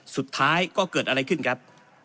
สุดท้ายก็เกิดอะไรขึ้นครับ